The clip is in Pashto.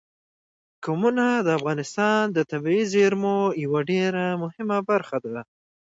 قومونه د افغانستان د طبیعي زیرمو یوه ډېره مهمه برخه ده.